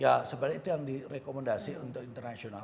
ya sebenarnya itu yang direkomendasi untuk internasional